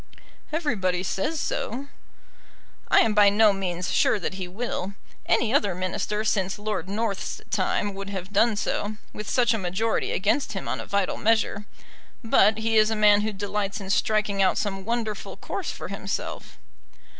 "Everybody says so." "I am by no means sure that he will. Any other Minister since Lord North's time would have done so, with such a majority against him on a vital measure; but he is a man who delights in striking out some wonderful course for himself."